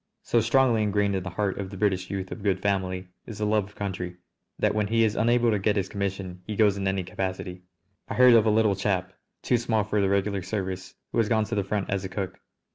So strongly ingrained in the heart of the British youth of good family is the love of country, that when he is unable to get his commission he goes in any capacity. I heard of a little chap, too small for the regular service, who has gone to the front as a cook!